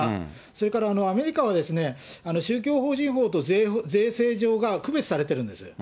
それからアメリカは、宗教法人法と、税制上が区別されてるんです。